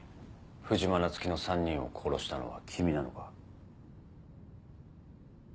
藤間菜月の３人を殺したのは君なのか？